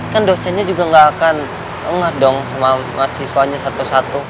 kan dosennya juga nggak akan ungah dong sama mahasiswanya satu satu